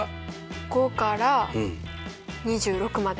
５から２６まで。